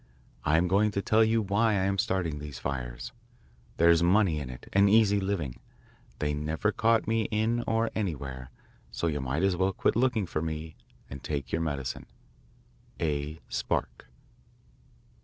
I am going to tell you why I am starting these fires. There's money in it an easy living. They never caught me in or anywhere, so you might as well quit looking for me and take your medicine. A. SPARK.